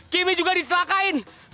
kimi juga diselakain